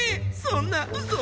そんな嘘！」